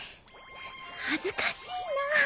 恥ずかしいな。